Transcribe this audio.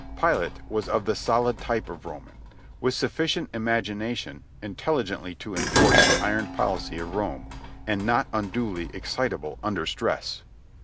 Pilate was of the solid type of Roman, with sufficient imagination intelligently to enforce the iron policy of Rome, and not unduly excitable under stress.